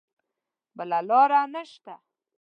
بله لاره نه شته.